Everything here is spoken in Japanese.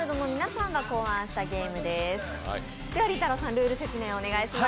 ルール説明をお願いします。